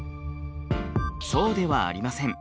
そうではありません。